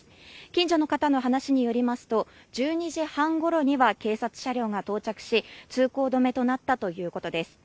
近所の方の話によりますと１２時半ごろには警察車両が到着し通行止めとなったということです。